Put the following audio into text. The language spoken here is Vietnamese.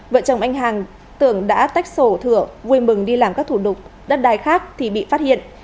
vợ chồng anh hàng tưởng đã tách sổ thửa vui mừng đi làm các thủ tục đất đai khác thì bị phát hiện